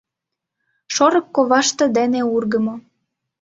Шорык коваште дене ургымо.